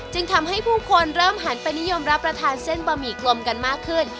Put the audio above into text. จึงทำให้ผู้คนเริ่มหันไปนิยมรับประทานเส้นบะหมี่กลมกันมากขึ้น